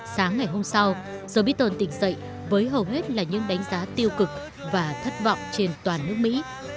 sáng ngày hôm sau jobiton tỉnh dậy với hầu hết là những đánh giá tiêu cực và thất vọng trên toàn nước mỹ